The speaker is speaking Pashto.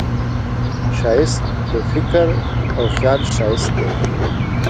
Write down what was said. ښایست د فکر او خیال ښایست دی